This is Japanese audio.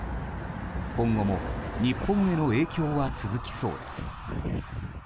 今後も日本への影響は続きそうです。